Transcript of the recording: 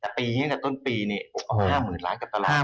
แต่ปีนี้กับต้นปีเนี่ย๕หมื่นล้านกับตลาด